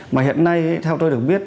mà hiện nay theo tôi được biết